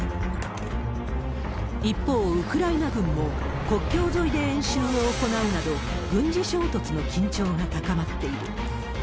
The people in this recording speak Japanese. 一方、ウクライナ軍も国境沿いで演習を行うなど、軍事衝突の緊張が高まっている。